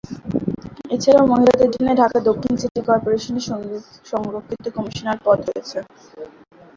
এছাড়াও মহিলাদের জন্য ঢাকা দক্ষিণ সিটি কর্পোরেশনে সংরক্ষিত কমিশনার পদ রয়েছে।